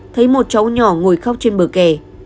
thấy một cháu nhỏ ngồi khóc trên bờ kè